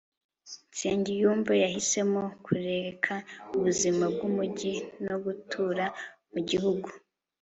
nsengiyumva yahisemo kureka ubuzima bwumujyi no gutura mugihugu